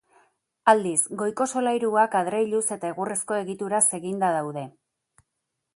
Aldiz, goiko solairuak adreiluz eta egurrezko egituraz eginda daude.